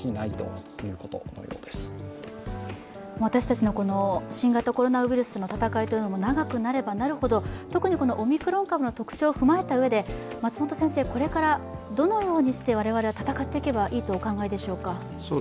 私たちの新型コロナウイルスの戦いというのも長くなればなるほど、特にオミクロン株の特徴を踏まえたうえで松本先生、これからどのようにして我々は戦っていけばいいとお考えでしょうか。